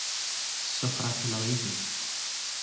سهره طلایی